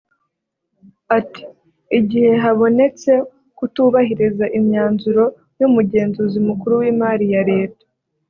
Ati “Igihe habonetse kutubahiriza imyanzuro y’Umugenzuzi Mukuru w’Imari ya Leta